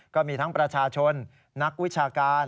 ก็มีทั้งประชาชนนักวิชาการ